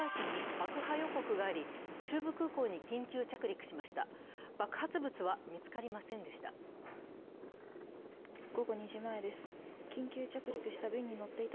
爆発物は見つかりませんでした。